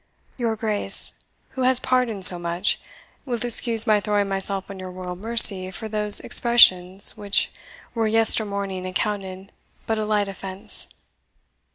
"Your Grace, who has pardoned so much, will excuse my throwing myself on your royal mercy for those expressions which were yester morning accounted but a light offence."